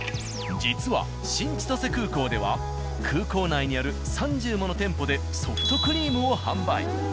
実は新千歳空港では空港内にある３０もの店舗でソフトクリームを販売。